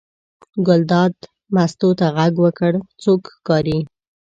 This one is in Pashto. ګلداد مستو ته غږ وکړ: څوک ښکاري.